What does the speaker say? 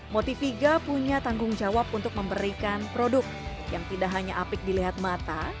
motiviga punya tanggung jawab untuk memberikan produk yang tidak hanya apik dilihat mata